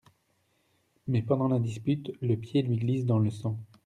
Mais, pendant la dispute, le pied lui glisse dans le sang.